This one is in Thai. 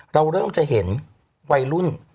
เราเริ่มจะเห็นวัยรุ่น